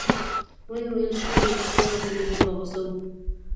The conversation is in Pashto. ویې ویل شنه بوټي چا وهلي دي په غوسه و.